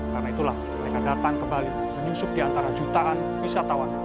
karena itulah mereka datang ke bali menyusup di antara jutaan wisatawan